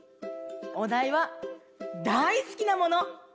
おだいは「大好きなもの」。